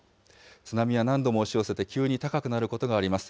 津波は何度も押し寄せて、急に高くなることがあります。